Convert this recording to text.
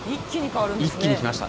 一気に来ました。